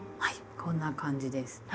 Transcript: こんな感じです。